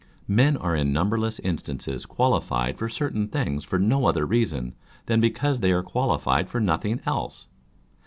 Men are in numberless instances qualified for certain things for no other reason than because they are qualified for nothing else.